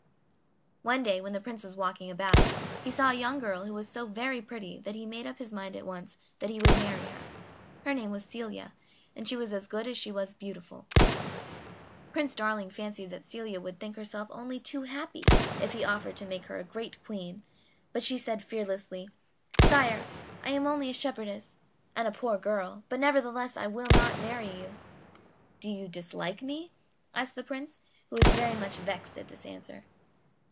One day, when the Prince was walking about, he saw a young girl who was so very pretty that he made up his mind at once that he would marry her. Her name was Celia, and she was as good as she was beautiful. Prince Darling fancied that Celia would think herself only too happy if he offered to make her a great queen, but she said fearlessly: "Sire, I am only a shepherdess, and a poor girl, but, nevertheless, I will not marry you." "Do you dislike me?" asked the Prince, who was very much vexed at this answer.